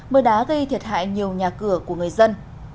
mưa đá gây thiệt hại nhiều nhà cửa của người dân